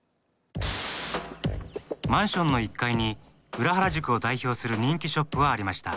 マンションの１階に裏原宿を代表する人気ショップはありました。